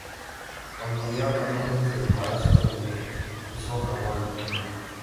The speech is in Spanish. Cuando lleva cuatro meses de embarazo, se lo dice a Waldemar.